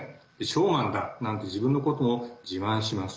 ショーマンだなんて自分のことを自慢します。